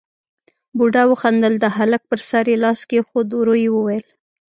بوډا وخندل، د هلک پر سر يې لاس کېښود، ورو يې وويل: